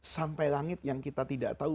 sampai langit yang kita tidak tahu